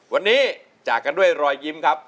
วันนี้จากกันด้วยรอยยิ้มครับ